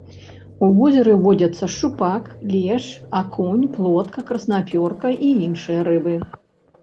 У возеры водзяцца шчупак, лешч, акунь, плотка, краснапёрка і іншыя рыбы.